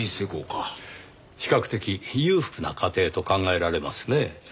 比較的裕福な家庭と考えられますね。